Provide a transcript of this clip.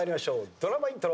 ドラマイントロ。